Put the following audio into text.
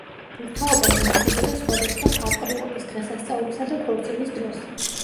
ბურთაობა იმართებოდა სხვადასხვა თავყრილობის, დღესასწაულისა და ქორწილის დროს.